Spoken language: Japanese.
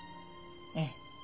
ええ。